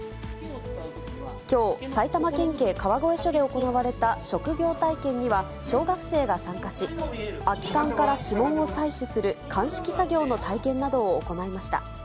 きょう、埼玉県警川越署で行われた職業体験には、小学生が参加し、空き缶から指紋を採取する鑑識作業の体験などを行いました。